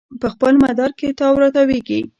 په خپل مدار کې تاو راتاویږي